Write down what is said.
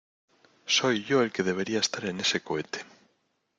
Soy yo el que debería estar en ese cohete.